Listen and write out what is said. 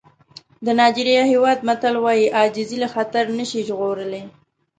د نایجېریا هېواد متل وایي عاجزي له خطر نه شي ژغورلی.